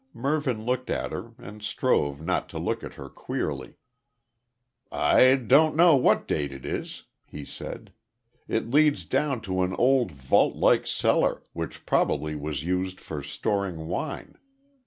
Mervyn looked at her, and strove not to look at her queerly. "I don't know what date it is," he said. "It leads down to an old vault like cellar, which probably was used for storing wine.